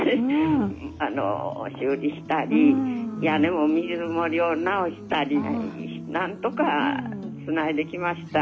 あの修理したり屋根も水漏れを直したりなんとかつないできました。